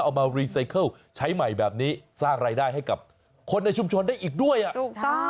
เอามาใช้ใหม่แบบนี้สร้างรายได้ให้กับคนในชุมชนได้อีกด้วยอ่ะ